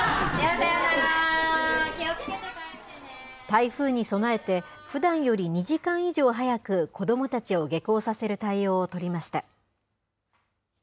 台風に備えて、ふだんより２時間以上早く、子どもたちを下校させる対応を取りました。